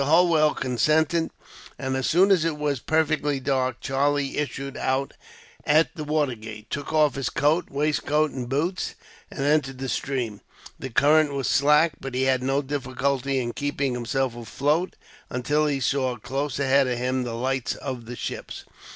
Holwell consented, and as soon as it was perfectly dark, Charlie issued out at the watergate, took off his coat, waistcoat, and boots, and entered the stream. The current was slack, but he had no difficulty in keeping himself afloat until he saw, close ahead of him, the lights of the ships.